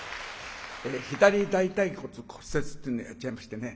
左大たい骨骨折っていうのやっちゃいましてね